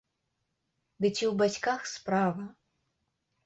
Ды ці ў бацьках справа!